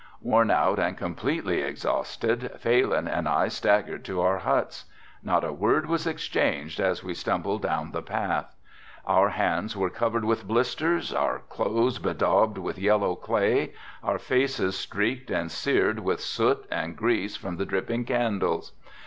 Worn out and completely exhausted Phalin and I staggered to our huts. Not a word was exchanged as we stumbled down the path. Our hands were covered with blisters, our clothes bedaubed with yellow clay, our faces streaked and seared with soot and grease from the dripping candles.